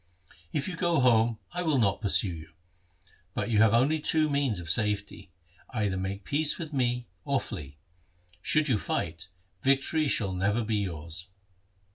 If you go home I will not pursue you. But you have only two means of safety, either make peace with me or flee. Should you fight, victory shall never be yours.'